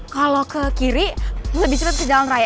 kalau ke kiri lebih cepet ke dalam raya